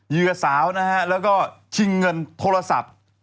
เหยื่อสาวนะฮะแล้วก็ชิงเงินโทรศัพท์